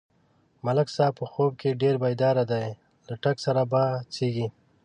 ملک صاحب په خوب کې ډېر بیداره دی، له ټک سره پا څېږي.